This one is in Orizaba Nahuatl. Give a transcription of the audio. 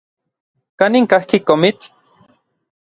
¿Kanin kajki komitl?